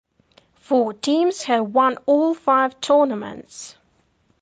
Four teams have won all five tournaments.